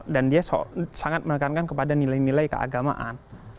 dan dia sangat merekankan kepada nilai nilai keagamaan